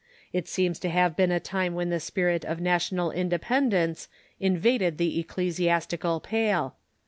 It seems to have been a time when the spirit of national independence invaded the ecclesiastical pale.